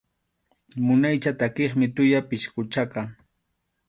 Munaycha takiqmi tuya pisquchaqa.